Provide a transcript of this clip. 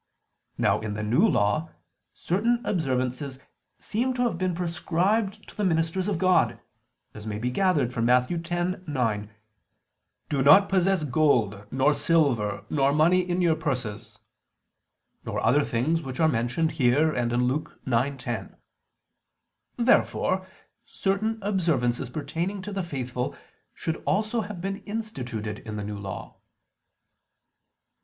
Now in the New Law certain observances seem to have been prescribed to the ministers of God; as may be gathered from Matt. 10:9: "Do not possess gold, nor silver, nor money in your purses," nor other things which are mentioned here and Luke 9, 10. Therefore certain observances pertaining to the faithful should also have been instituted in the New Law.